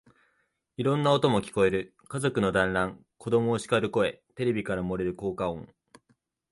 いろんな音も聞こえる。家族の団欒、子供をしかる声、テレビから漏れる効果音、